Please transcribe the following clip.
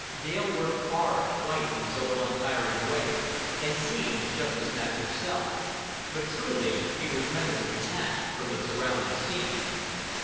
Dale worked hard, quite in his old untiring way, and seemed just his natural self; but truly he was mentally detached from the surrounding scene.